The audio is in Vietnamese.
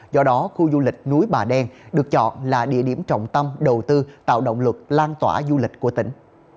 do đó khu du lịch núi bà đen được chọn là địa điểm trọng tâm đầu tư tạo động lực lan tỏa du lịch của tỉnh